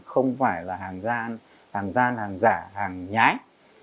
không phải là hàng gian hàng giả hàng nhái